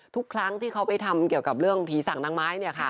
ทุกครั้งที่เขาไปทำเกี่ยวกับเรื่องผีสั่งน้ำไม้